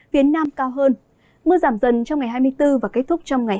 phía nam cao hơn mưa giảm dần trong ngày hai mươi bốn và kết thúc trong ngày hai mươi năm